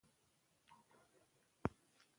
طبیعي پېښې د ازادي راډیو د مقالو کلیدي موضوع پاتې شوی.